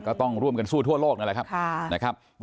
ก็ต้องร่วมกันสู้ทั่วโลกนั่นแหละครับ